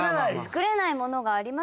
作れないものがあります。